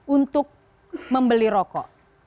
untuk membeli rokok